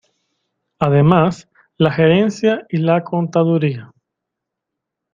Además, la gerencia y la contaduría.